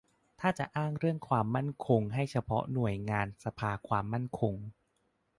ถ้าจะอ้างเรื่องความมั่นคงให้เฉพาะหน่วยงานสภาความมั่นคง